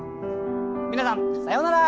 皆さんさようなら。